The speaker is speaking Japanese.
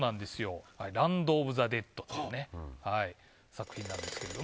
「ランド・オブ・ザ・デッド」という作品ですけど。